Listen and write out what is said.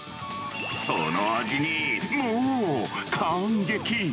その味にもう感激。